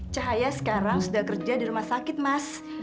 cahaya sekarang sudah kerja di rumah sakit mas